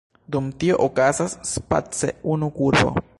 Dum tio okazas space unu kurbo.